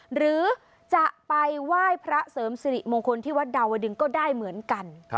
หรือจะไปไหว้พระเสริมสิริมงคลที่วัดดาวดึงก็ได้เหมือนกัน